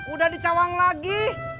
udah dicawang lagi